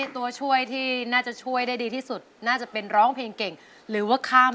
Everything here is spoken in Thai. ตัวช่วยที่น่าจะช่วยได้ดีที่สุดน่าจะเป็นร้องเพลงเก่งหรือว่าข้าม